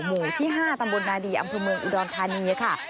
หมู่ที่๕ตำบลนาดีอำเภอเมืองอุดรธานีค่ะ